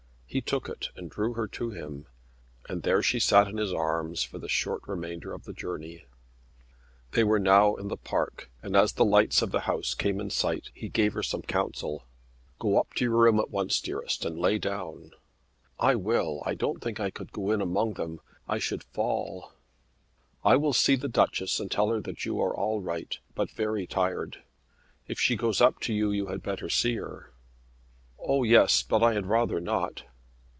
He took it and drew her to him and there she sat in his arms for the short remainder of the journey. They were now in the park, and as the lights of the house came in sight he gave her some counsel. "Go up to your room at once, dearest, and lay down." "I will. I don't think I could go in among them. I should fall." "I will see the Duchess and tell her that you are all right, but very tired. If she goes up to you you had better see her." "Oh, yes. But I had rather not."